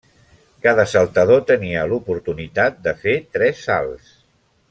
Cada saltador tenia l'oportunitat de fer tres salts.